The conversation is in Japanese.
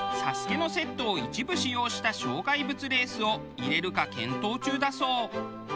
『ＳＡＳＵＫＥ』のセットを一部使用した障害物レースを入れるか検討中だそう。